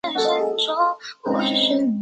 由独立电视公司所有。